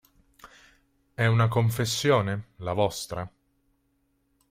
È una confessione, la vostra?